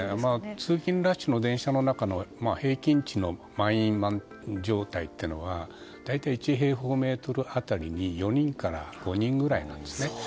通勤ラッシュの電車の中の平均値の満員状態というのは大体１平方メートル当たりに４人から５人くらいなんですね。